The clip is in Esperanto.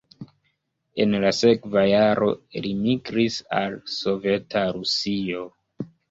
En la sekva jaro li migris al Soveta Rusio.